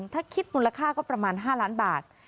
ถ้าคิดมูลค่าก็ประมาณ๕ล้านบาท